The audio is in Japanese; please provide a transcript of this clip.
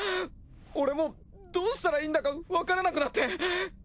俺もうどうしたらいいんだかわからなくなって。